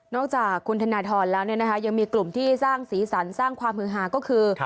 จากคุณธนทรแล้วยังมีกลุ่มที่สร้างสีสันสร้างความฮือหาก็คือ